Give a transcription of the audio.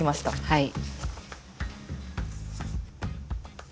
はい。